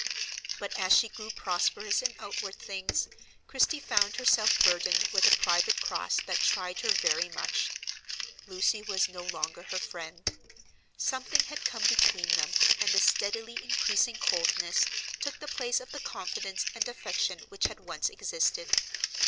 But as she grew prosperous in outward things, Christie found herself burdened with a private cross that tried her very much. Lucy was no longer her friend; something had come between them, and a steadily increasing coldness took the place of the confidence and affection which had once existed.